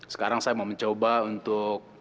sekarang saya mau mencoba untuk